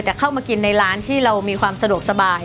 เข้ามากินในร้านที่เรามีความสะดวกสบาย